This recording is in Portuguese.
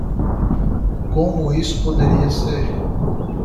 Como isso poderia ser?